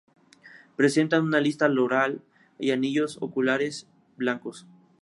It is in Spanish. Presentan una lista loral y anillos oculares blancos.